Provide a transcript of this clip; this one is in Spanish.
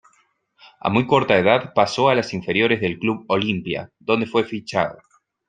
A muy corta edad pasó a las inferiores del Club Olimpia, donde fue fichado.